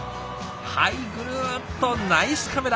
はいぐるーっとナイスカメラ！